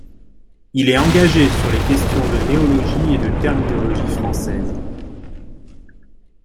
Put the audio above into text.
Il est engagé sur les questions de néologie et de terminologie françaises.